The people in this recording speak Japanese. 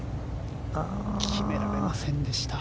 決められませんでした。